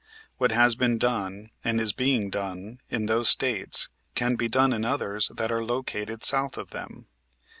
What has been done and is being done in those States can be done in others that are located south of them.